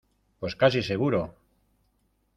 pues casi seguro